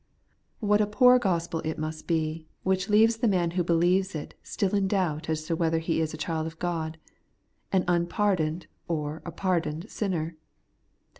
What a poor gospel it must be, which leaves the man who believes it still in doubt as to whether he is a child of God, an unpardoned or a pardoned sinner